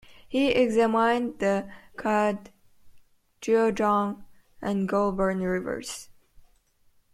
He examined the Cudgegong and Goulburn Rivers.